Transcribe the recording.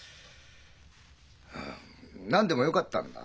何でもよかったんだ。